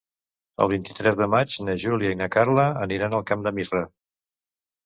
El vint-i-tres de maig na Júlia i na Carla aniran al Camp de Mirra.